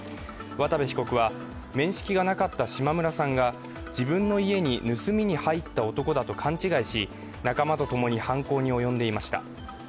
渡部被告は面識がなかった島村さんが自分の家に盗みに入った男だと勘違いし仲間と共に犯行に及んでいました。